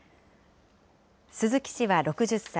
鈴木氏は６０歳。